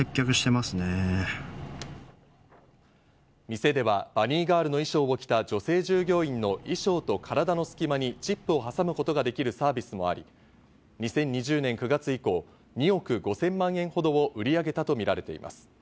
店ではバニーガールの衣装を着た、女性従業員の衣装と体の隙間にチップを挟むことができるサービスもあり、２０２０年９月以降、２億５０００万円ほどを売り上げたとみられています。